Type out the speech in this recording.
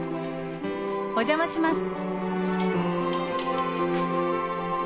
お邪魔します。